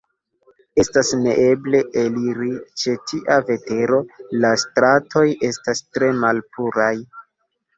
Estas neeble eliri ĉe tia vetero; la stratoj estas tre malpuraj.